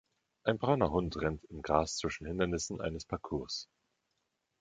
Ein brauner Hund rennt im Gras zwischen Hindernissen eines Parcours.